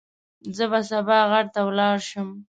زه به سبا غر ته ولاړ شم.